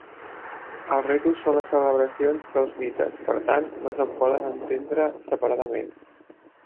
Els ritus són les celebracions dels mites, per tant, no se'n poden entendre separadament.